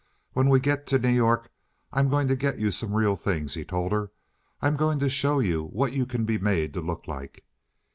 "When we get to New York I am going to get you some real things," he told her. "I am going to show you what you can be made to look like."